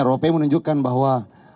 rop menunjukkan bahwa